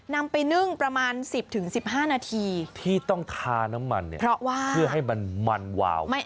นำไปนึ่งประมาณ๑๐๑๕นาทีที่ต้องทาน้ำมันเพื่อให้มันมันวาว